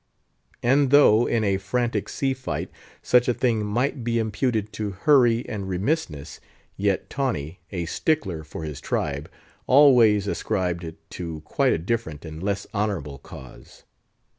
And though, in a frantic sea fight, such a thing might be imputed to hurry and remissness, yet Tawney, a stickler for his tribe, always ascribed it to quite a different and less honourable cause.